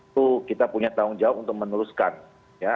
itu kita punya tanggung jawab untuk meneruskan ya